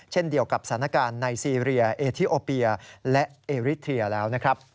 เช่นเดียวกับสถานการณ์ในซีเรียเอทิโอเปียและเอริเทียแล้วนะครับ